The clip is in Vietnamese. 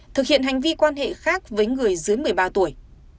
thực hiện hành vi quan hệ khác với người dưới một mươi ba tuổi